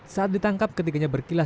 saat ditangkap ketikanya berkilas